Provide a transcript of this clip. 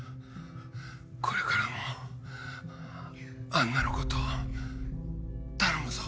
これからもアンナのこと頼むぞ。